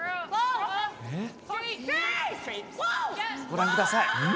ご覧ください。